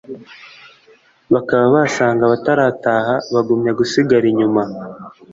Bakaba basanga abatarataha bagumya gusigara inyuma